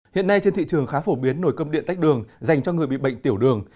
hiện nay trên thị trường khá phổ biến nồi cơm điện tách đường dành cho người bị bệnh tiểu đường